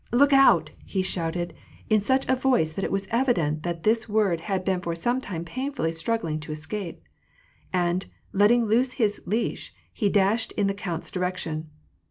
" Look out !" he shouted, in such a voice that it was evident that this word had been for some time painfully struggling to escs^. And, letting loose his leash, he dashed in the count's direction.